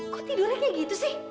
kok tidurnya kayak gitu sih